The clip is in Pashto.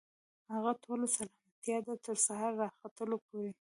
هغه ټوله سلامتيا ده، تر سهار راختلو پوري